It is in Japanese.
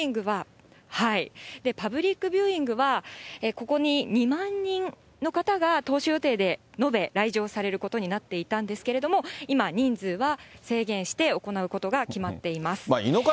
パブリックビューイングは、ここに２万人の方が当初予定で、延べ、来場されることになっていたんですけれども、今、人数は制限して行うことが決まっています。